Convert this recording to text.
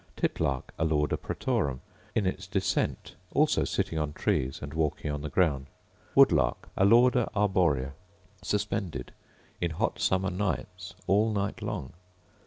Titlark, Alauda pratorum: In its descent; also sitting on trees, and walking on the ground. Woodlark, Alauda arborea: Suspended; in hot summer nights all night long.